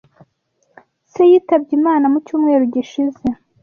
Se yitabye Imana mu cyumweru gishize.